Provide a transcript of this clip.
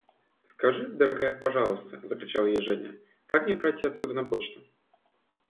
– Скажи, дорогая, пожалуйста, – закричала ей Женя, – как мне пройти отсюда на почту?